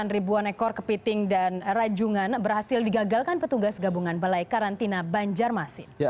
ribuan ekor kepiting dan rajungan berhasil digagalkan petugas gabungan balai karantina banjarmasin